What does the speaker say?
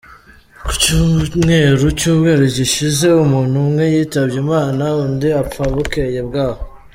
Ku cyumweru Cyumweru gishize umuntu umwe yitabye Imana, undi apfa bukeye bwaho.